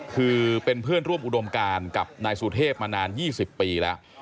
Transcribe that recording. คือเป็นเพื่อนร่วมอุดมการกับนายสุเทพมานาน๒๐ปีแล้ว